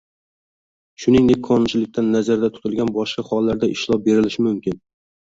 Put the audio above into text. shuningdek qonunchilikda nazarda tutilgan boshqa hollarda ishlov berilishi mumkin.